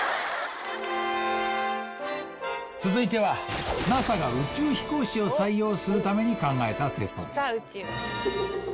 続いてはＮＡＳＡが宇宙飛行士を採用するために考えたテストです。